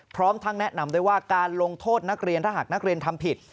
พร้อมทั้งแนะนำด้วยว่าการลงโทษนักเรียนถ้าหากนักเรียนทำผิด